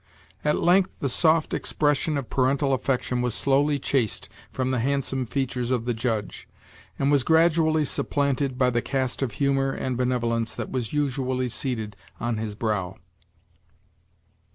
At length the soft expression of parental affection was slowly chased from the handsome features of the Judge, and was gradually supplanted by the cast of humor and benevolence that was usually seated on his brow.